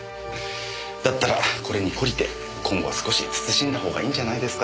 だったらこれに懲りて今後は少し慎んだ方がいいんじゃないですか？